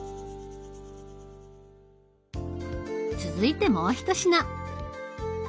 続いてもう一品。